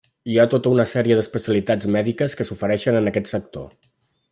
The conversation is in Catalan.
Hi ha tota una sèrie d'especialitats mèdiques que s'ofereixen en aquest sector.